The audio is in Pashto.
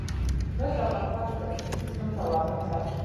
مس د افغانستان د طبعي سیسټم توازن ساتي.